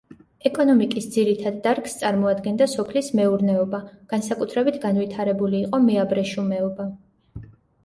ეკონომიკის ძირითად დარგს წარმოადგენდა სოფლის მეურნეობა, განსაკუთრებით განვითარებული იყო მეაბრეშუმეობა.